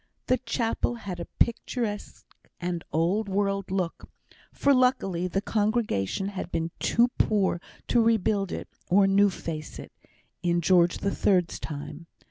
The chapel had a picturesque and old world look, for luckily the congregation had been too poor to rebuild it, or new face it, in George the Third's time.